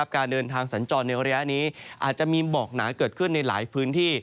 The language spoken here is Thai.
การเดินทางสัญจรในระยะนี้อาจจะมีหมอกหนาเกิดขึ้นในหลายพื้นที่